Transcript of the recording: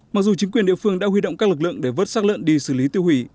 mặc dù chính quyền địa phương đã huy động các lực lượng để vớt sắc lợn đi xử lý tiêu hủy